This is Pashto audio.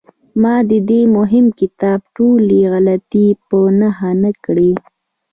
ما د دې مهم کتاب ټولې غلطۍ په نښه نه کړې.